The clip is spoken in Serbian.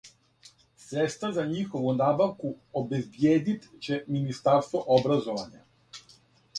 Средства за њихову набавку обезбиједит ће министарство образовања.